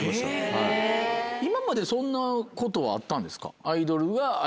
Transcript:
今までそんなことはあったんですか？